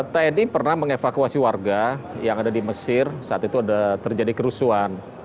tni pernah mengevakuasi warga yang ada di mesir saat itu ada terjadi kerusuhan